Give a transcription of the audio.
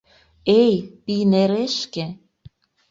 Эй, пийнерешке!